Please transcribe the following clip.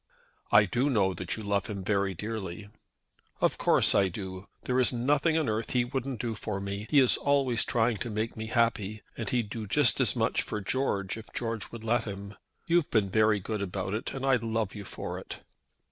"I do know that you love him very dearly." "Of course I do. There is nothing on earth he wouldn't do for me. He is always trying to make me happy. And he'd do just as much for George, if George would let him. You've been very good about it, and I love you for it."